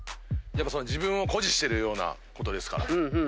自分を誇示してるようなことですから。